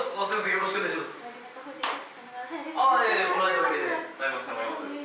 よろしくお願いします。